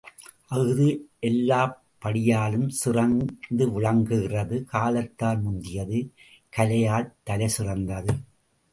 அஃது எல்லாப் படியாலும் சிறந்து விளங்குகிறது காலத்தால் முந்தியது கலையால் தலைசிறந்தது.